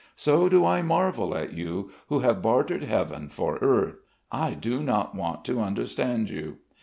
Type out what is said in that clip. So do I marvel at you, who have bartered heaven for earth. I do not want to understand you.